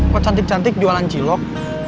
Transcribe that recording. kok cantik cantik jualan cilok